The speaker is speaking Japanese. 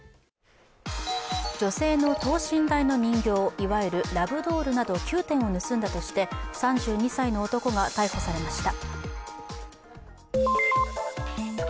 女性の等身大の人形、いわゆるラブドールなど９点を盗んだとして、３２歳の男が逮捕されました。